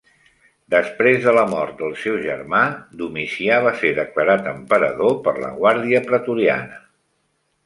Després de la mort del seu germà, Domicià va ser declarat emperador per la Guàrdia Pretoriana.